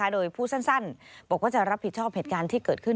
โดยพูดสั้นบอกว่าจะรับผิดชอบเหตุการณ์ที่เกิดขึ้น